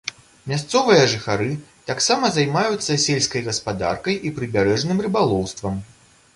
Мясцовыя жыхары таксама займаюцца сельскай гаспадаркай і прыбярэжным рыбалоўствам.